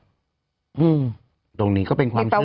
อืมคือโดมนี่เค้าเป็นความเชื่อ